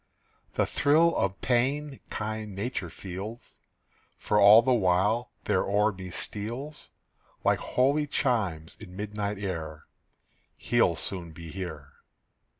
The thrill of pain kind Nature feels; For all the while there o'er me steals Like holy chimes in midnight air, "He'll soon be here."